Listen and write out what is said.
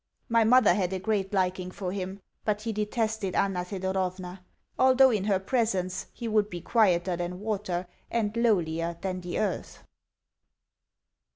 My mother had a great liking for him, but he detested Anna Thedorovna although in her presence he would be quieter than water and lowlier than the earth.